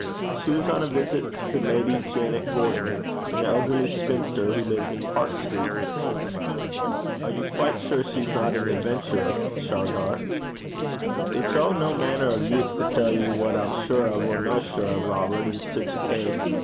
She was on a visit to Lady Janet Gordon, an elderly spinster, who lived in Park street. 'Are you quite sure she's not an adventuress, Shargar?' 'It's o' no mainner o' use to tell ye what I'm sure or no sure o', Robert, in sic a case.